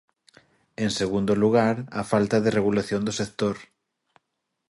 En segundo lugar, a falta de regulación do sector.